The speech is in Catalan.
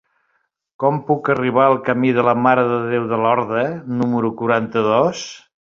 Com puc arribar al camí de la Mare de Déu de Lorda número quaranta-dos?